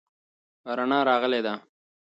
رڼا راغلې ده.